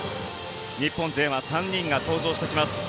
日本勢は３人が登場してきます。